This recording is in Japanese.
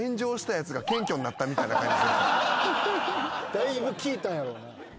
だいぶ効いたんやろな。